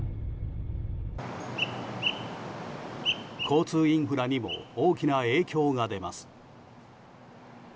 交通インフラにも大きな影響が出ます。